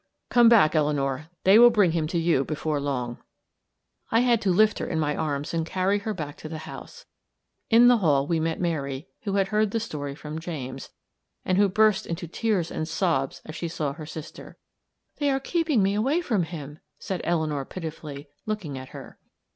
"Come back, Eleanor; they will bring him to you before long." I had to lift her in my arms and carry her back to the house. In the hall we met Mary, who had heard the story from James, and who burst into tears and sobs as she saw her sister. "They are keeping me away from him," said Eleanor, pitifully, looking at her.